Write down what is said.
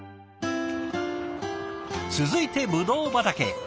続いてブドウ畑へ。